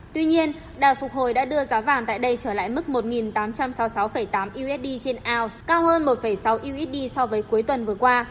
tuy nhiên đà phục hồi đã đưa giá vàng tại đây trở lại mức một tám trăm sáu mươi sáu tám usd trên ounce cao hơn một sáu usd so với cuối tuần vừa qua